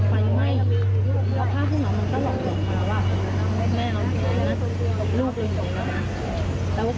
ซึ่งส่วนต้องการช่วยกันไม่ให้หลักโตต่อ